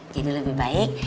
jadi lebih baik